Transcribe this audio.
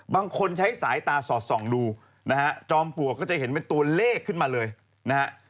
บางคนใช้สายตาสอดส่องดูนะฮะจอมปลวกก็จะเห็นเป็นตัวเลขขึ้นมาเลยนะฮะ